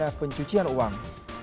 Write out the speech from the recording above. pidana pencucian uang